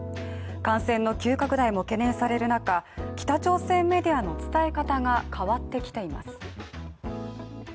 感染の急拡大も懸念される中、北朝鮮メディアの伝え方が変わってきています。